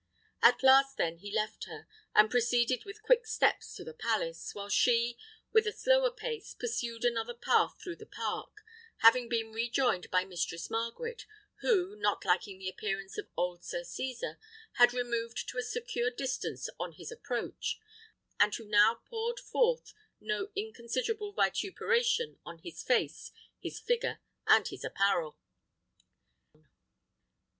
At last then he left her, and proceeded with quick steps to the palace; while she, with a slower pace, pursued another path through the park, having been rejoined by Mistress Margaret, who, not liking the appearance of old Sir Cesar, had removed to a secure distance on his approach, and who now poured forth no inconsiderable vituperation on his face, his figure, and his apparel.